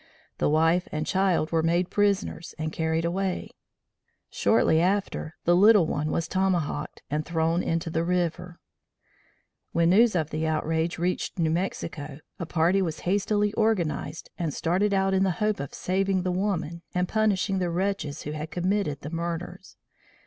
The wife and child were made prisoners and carried away. Shortly after the little one was tomahawked and thrown into the river. When news of the outrage reached New Mexico, a party was hastily organized and started out in the hope of saving the woman and punishing the wretches who had committed the murders.